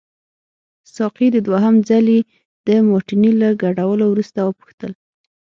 ساقي د دوهم ځلي د مارټیني له ګډولو وروسته وپوښتل.